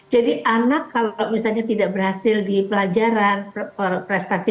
jadi anak kalau misalnya tidak berhasil di pelajaran prestasi